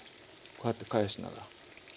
こうやって返しながら。